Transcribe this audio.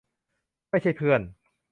ไม่ใช่เพื่อน